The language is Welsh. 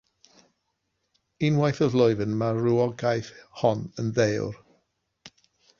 Unwaith y flwyddyn mae'r rhywogaeth hon yn deor.